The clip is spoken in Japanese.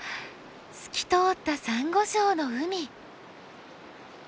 透き通ったサンゴ礁の海。